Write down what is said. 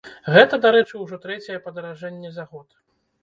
Гэта, дарэчы, ужо трэцяе падаражэнне за год.